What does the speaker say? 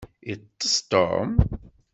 Itess Tom?